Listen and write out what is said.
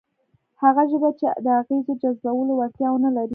هغه ژبه چې د اغېزو د جذبولو وړتیا ونه لري،